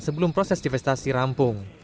sebelum proses investasi rampung